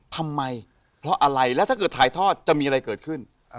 ทำไมเพราะอะไรแล้วถ้าเกิดถ่ายทอดจะมีอะไรเกิดขึ้น